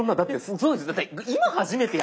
そうですよ。